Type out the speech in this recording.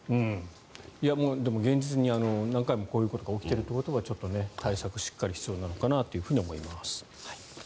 でも現実に何回もこういうことが起きてるということはちょっと対策がしっかり必要なのかなと思います。